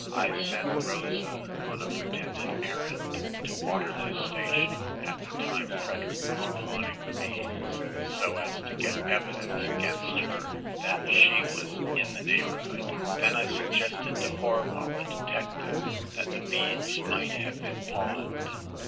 I sent Rosa on a pretended errand to Waterloo Station, at the time Frederick was pawning the beads, so as to get evidence against her that she was in the neighborhood. Then I suggested to Horval the detective, that the beads might have been pawned.